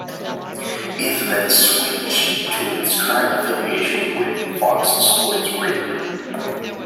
It then switched to its current affiliation with "Fox Sports Radio".